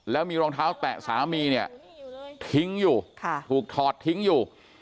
แล้วมีรองเท้าแตะสามีเนี่ยทิ้งอยู่ถูกถอดทิ้งอยู่